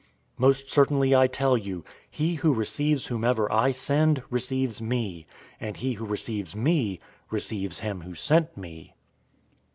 013:020 Most certainly I tell you, he who receives whomever I send, receives me; and he who receives me, receives him who sent me."